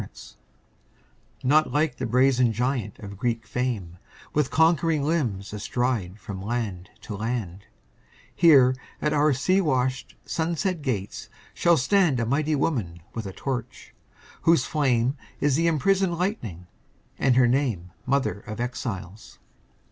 * Not like the brazen giant of Greek fame, With conquering limbs astride from land to land; Here at our sea washed, sunset gates shall stand A mighty woman with a torch, whose flame Is the imprisoned lightning, and her name Mother of Exiles.